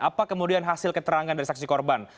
apa kemudian hasil keterangan dari saksi korban